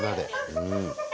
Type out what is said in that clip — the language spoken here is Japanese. うん。